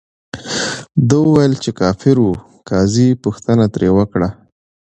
ده ویل، چې کافر ؤ. قاضي پوښتنه ترې وکړه،